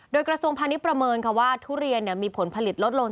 โดยกระทรวงพาณิชยประเมินว่าทุเรียนมีผลผลิตลดลง